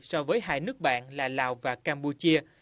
so với hai nước bạn là lào và campuchia